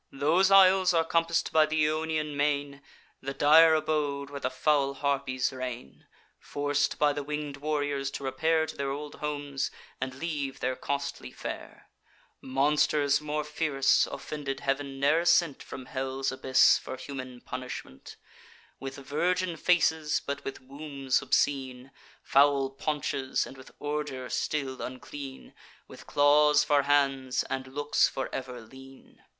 Those isles are compass'd by th' Ionian main, The dire abode where the foul Harpies reign, Forc'd by the winged warriors to repair To their old homes, and leave their costly fare. Monsters more fierce offended Heav'n ne'er sent From hell's abyss, for human punishment: With virgin faces, but with wombs obscene, Foul paunches, and with ordure still unclean; With claws for hands, and looks for ever lean.